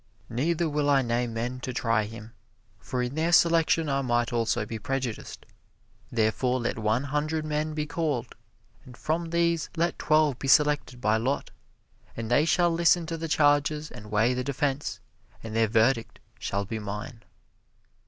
Neither will I name men to try him, for in their selection I might also be prejudiced. Therefore let one hundred men be called, and from these let twelve be selected by lot, and they shall listen to the charges and weigh the defense, and their verdict shall be mine."